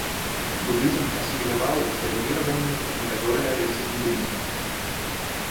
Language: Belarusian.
Будызм асіміляваў ў свае вераванні некаторыя рысы індуізму.